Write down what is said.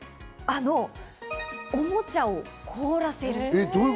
おもちゃを凍らせる。